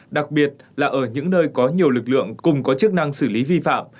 đặc biệt là ở những nơi có nhiều lực lượng cùng có chức năng xử lý vi phạm